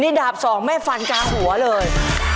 นี่ดาบ๒แม่ฝั่นจากหัวเลย